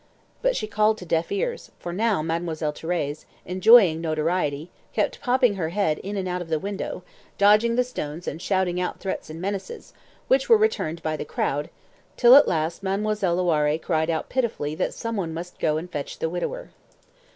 But she called to deaf ears, for now Mademoiselle Thérèse, enjoying notoriety, kept popping her head in and out of the window, dodging the stones and shouting out threats and menaces, which were returned by the crowd, till at last Mademoiselle Loiré cried out pitifully that some one must go and fetch the widower.